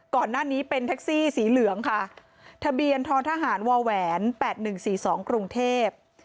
ก่อนหน้านี้เป็นแท็กซี่สีเหลืองค่ะทะเบียนท้อทหารวแหวน๘๑๔๒กรุงเทพ